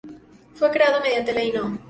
Fue creado mediante Ley No.